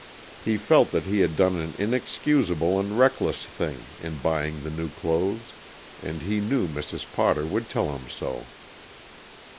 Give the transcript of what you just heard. He felt that he had done an inexcusable and reckless thing in buying the new clothes, and he knew Mrs. Potter would tell him so.